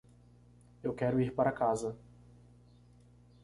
Eu quero ir para casa